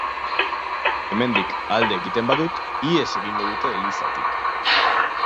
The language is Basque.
Hemendik alde egiten badut, ihes egingo dute elizatik.